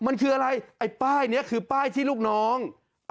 มันคืออะไรไอ้ป้ายนี้คือป้ายที่ลูกน้อง